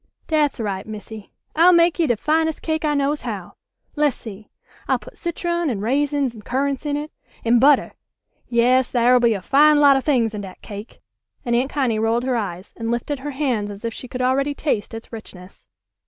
"Dat's right, Missy. I'll make yo' de finest cake I knows how. Le's see! I'll put citron, an' raisins, an' currants in it. An' butter! Yas, thar'll be a fine lot o' things in dat cake!" and Aunt Connie rolled her eyes, and lifted her hands as if she could already taste its richness.